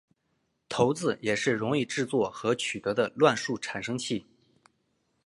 骰子也是容易制作和取得的乱数产生器。